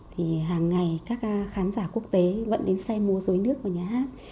thì hàng ngày các khán giả quốc tế vẫn đến xem mua dối nước của nhà hát